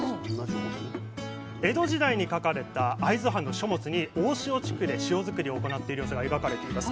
江戸時代に描かれた会津藩の書物に大塩地区で塩づくりを行っている様子が描かれています。